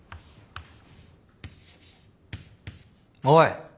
おい。